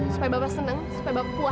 supaya bapak seneng supaya bapak puas ya